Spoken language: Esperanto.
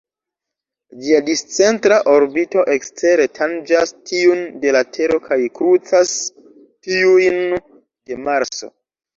Ĝia discentra orbito ekstere tanĝas tiun de la Tero kaj krucas tiujn de Marso.